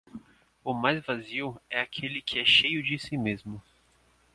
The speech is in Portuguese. O mais vazio é aquele que é cheio de si mesmo.